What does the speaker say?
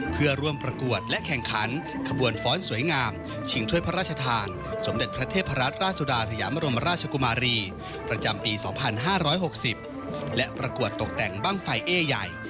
ประจำปีสองพันห้าร้อยหกสิบและประกวดตกแต่งบ้างไฟเอใหญ่